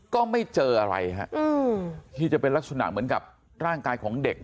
ก็ไม่เจออะไรฮะที่จะเป็นลักษณะเหมือนกับร่างกายของเด็ก